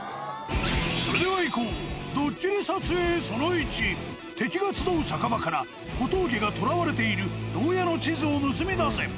それではいこう、ドッキリ撮影その１、敵が集う酒場から、小峠がとらわれている牢屋の地図を盗み出せ。